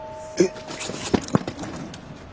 えっ？